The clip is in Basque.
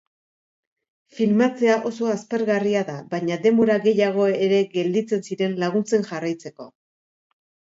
Filmatzea oso aspergarria da, baina denbora gehiago ere gelditzen ziren laguntzen jarraitzeko.